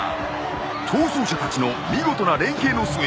逃走者たちの見事な連携の末